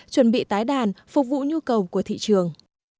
chuẩn bị tái đàn phục vụ nhu cầu của thị trường